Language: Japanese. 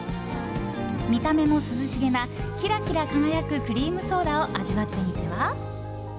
見た目も涼しげなキラキラ輝くクリームソーダを味わってみては？